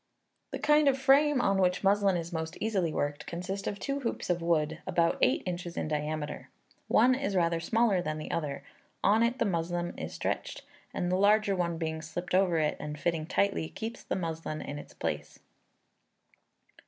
The kind of frame on which muslin is most easily worked, consists of two hoops of wood, about eight inches in diameter. One is rather smaller than the other. On it the muslin is stretched, and the larger one being slipped over it, and fitting tightly, keeps the muslin in its place.